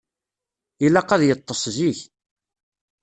Ilaq ad yeṭṭes zik.